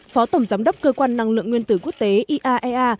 phó tổng giám đốc cơ quan năng lượng nguyên tử quốc tế iaea